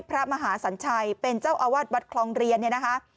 พระมหาสัญชัยเป็นเจ้าอาวาสบัตรคลองเรียน